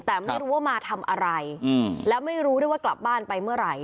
แต่ไม่รู้ว่ามาทำอะไรแล้วไม่รู้ด้วยว่ากลับบ้านไปเมื่อไหร่